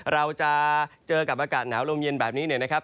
เราจะเจอกับอากาศหนาวลมเย็นแบบนี้เนี่ยนะครับ